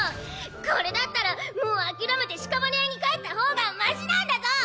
これだったらもう諦めて屍屋に帰ったほうがマシなんだゾ！